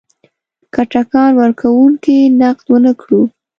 که ټکان ورکونکی نقد ونه کړو.